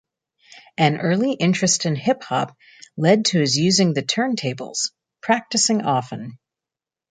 An early interest in hip hop led to his using the turntables, practicing often.